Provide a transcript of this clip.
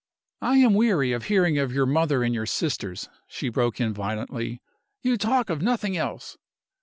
"I am weary of hearing of your mother and your sisters!" she broke in violently. "You talk of nothing else."